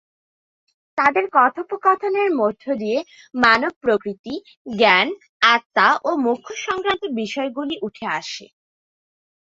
তাদের কথোপকথনের মধ্যে দিয়ে মানব-প্রকৃতি, জ্ঞান, আত্মা ও মোক্ষ-সংক্রান্ত বিষয়গুলি উঠে আসে।